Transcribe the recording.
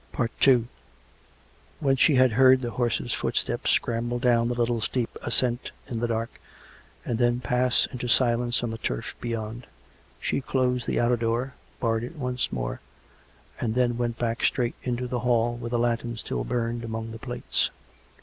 ... II When sHe had heard the horse's footsteps scramble down the little steep ascent in the dark, and then pass into silence on the turf beyond, she closed the outer door, barred it once more, and then went back straight into the hall, where the lantern still burned among the plates.